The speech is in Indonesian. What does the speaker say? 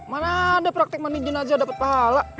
mana ada praktek mandiin jenazah dapet pahala